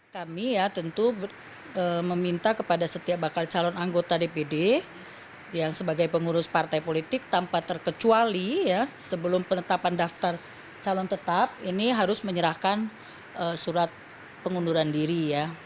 kami ya tentu meminta kepada setiap bakal calon anggota dpd yang sebagai pengurus partai politik tanpa terkecuali ya sebelum penetapan daftar calon tetap ini harus menyerahkan surat pengunduran diri ya